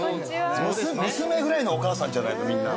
娘ぐらいのお母さんじゃないかみんな。